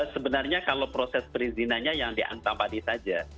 sebenarnya kalau proses perizinannya yang di antapani saja